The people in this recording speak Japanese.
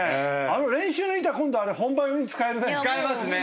あの練習の板今度本番用に使えるね。